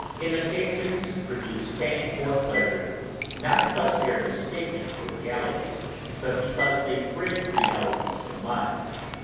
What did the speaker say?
Imitations produce pain or pleasure, not because they are mistaken for realities, but because they bring realities to mind.